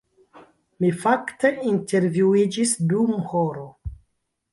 Mi fakte intervuiĝis dum horo